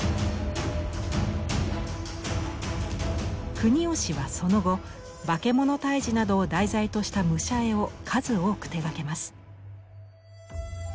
国芳はその後化け物退治などを題材とした武者絵を数多く手がけます。